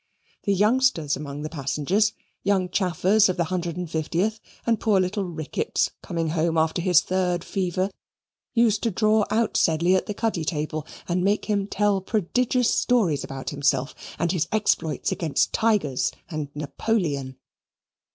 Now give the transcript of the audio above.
The youngsters among the passengers, Young Chaffers of the 150th, and poor little Ricketts, coming home after his third fever, used to draw out Sedley at the cuddy table and make him tell prodigious stories about himself and his exploits against tigers and Napoleon.